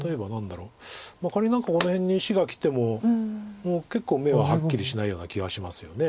仮に何かこの辺に石がきても結構眼ははっきりしないような気がしますよね。